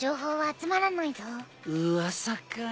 噂か。